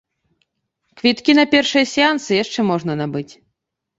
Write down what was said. Квіткі на першыя сеансы яшчэ можна набыць.